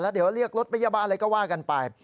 เดี๋ยวเรียกรถพยาบาลอะไรก็ว่ากันไป